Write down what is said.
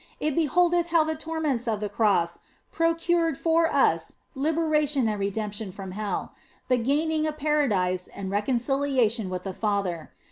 It beholdeth how the torments of the Cross procured for us liberation and redemption from hell, the gaining of Paradise and reconciliation with the Father.